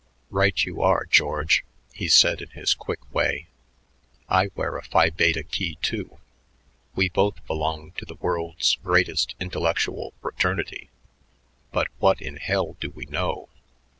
"Right you are, George," he said in his quick way. "I wear a Phi Bete key, too. We both belong to the world's greatest intellectual fraternity, but what in hell do we know?